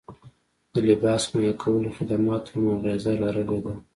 د لباس مهیا کولو خدماتو هم اغیزه لرلې ده